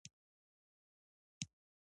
وړانګې د ماريا تر څنګ کېناسته.